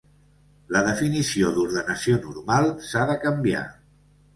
La definició d'ordenació normal s'ha de canviar.